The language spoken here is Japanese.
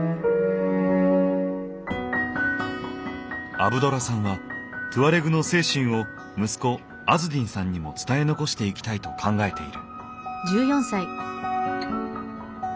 アブドラさんはトゥアレグの精神を息子アズディンさんにも伝え残していきたいと考えている。